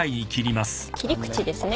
切り口ですね